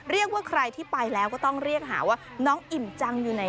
เรียกว่าใครที่ไปแล้วก็ต้องเรียกหาว่าน้องอิ่มจังอยู่ไหน